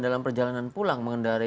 dalam perjalanan pulang mengendari